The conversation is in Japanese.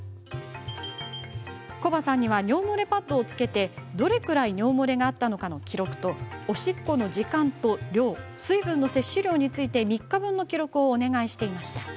コバさんには尿漏れパッドをつけてどれくらい尿漏れがあったかの記録とおしっこの時間と量水分の摂取量について３日分の記録をお願いしていました。